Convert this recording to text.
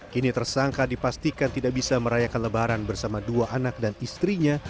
kini tersangka dipastikan tidak bisa merayakan lebaran bersama dua anak dan istrinya